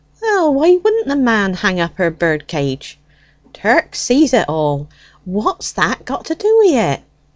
"Well, why shouldn't the man hang up her bird cage? Turk seize it all, what's that got to do wi' it?